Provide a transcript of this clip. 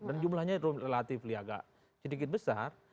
dan jumlahnya itu relatif agak sedikit besar